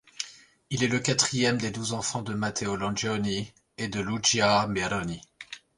Il est le quatrième des douze enfants de Matteo Longoni et de Luigia Meroni.